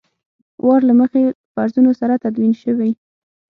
وار له مخکې فرضونو سره تدوین شوي.